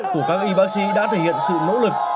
của các y bác sĩ đã thể hiện sự nỗ lực